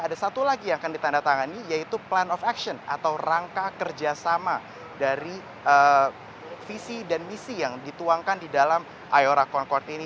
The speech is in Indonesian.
ada satu lagi yang akan ditandatangani yaitu plan of action atau rangka kerjasama dari visi dan misi yang dituangkan di dalam ayora concord ini